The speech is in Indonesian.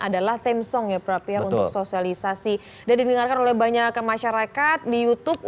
adalah temsong ya berarti aku sosialisasi dan didengarkan oleh banyak masyarakat di youtube